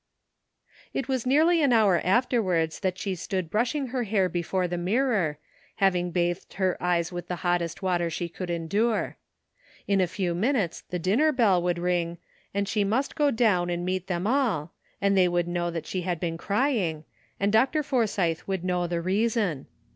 It was nearly an hour afterwards that she stood brushing her hair before the mirror, hav ing bathed her eyes with the hottest water she ANOTHER *' SIDE TRACK." 351 could endure. In a few minutes the dinner bell would ring, and she must go down and meet them all, and they would know she had been crying, and Dr. Forsythe would know the reason.